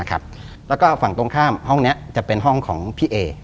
แล้วก็ฝั่งตรงข้ามห้องนี้จะเป็นห้องของพี่เอ